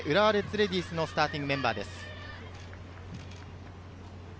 レディースのスターティングメンバーです。